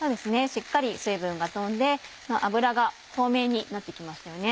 しっかり水分が飛んで脂が透明になって来ましたよね。